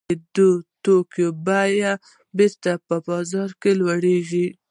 د توکو بیه بېرته په بازار کې لوړېږي